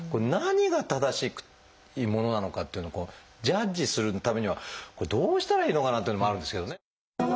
何が正しいものなのかっていうのをジャッジするためにはどうしたらいいのかなというのもあるんですけどね。